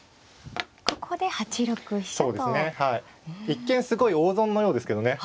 一見すごい大損のようですけどね。